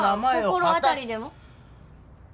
心当たりでも？